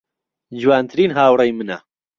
جوانترین هاوڕێی منە.